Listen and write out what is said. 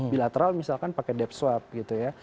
bilateral misalkan pakai debt swab gitu ya